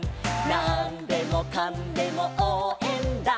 「なんでもかんでもおうえんだ！！」